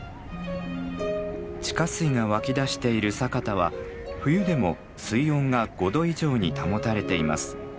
地下水が湧き出している佐潟は冬でも水温が５度以上に保たれています。